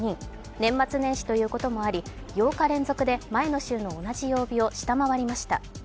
年末年始ということもあり、８日連続で前の週の同じ曜日を下回りました。